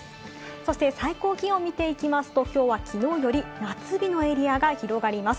そして最高気温を見ていきますと、きょうはきのうより夏日のエリアが広がります。